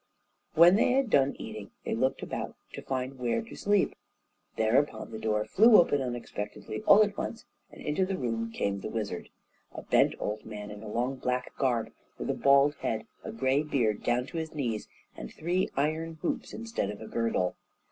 When they had done eating, they looked about to find where to sleep. Thereupon the door flew open unexpectedly all at once, and into the room came the wizard; a bent old man in a long black garb, with a bald head, a gray beard down to his knees, and three iron hoops instead of a girdle.